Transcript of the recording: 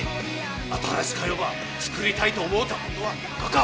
新しか世ば作りたいと思うたことはなかか？